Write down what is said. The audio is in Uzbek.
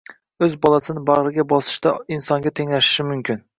o'z bolasini bag'riga bosishda insonga tenglashishi mumkin.